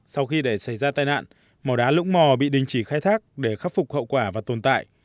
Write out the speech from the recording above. sau khi để xảy ra tai nạn mỏ đá lũng mò bị đình chỉ khai thác để khắc phục hậu quả và tồn tại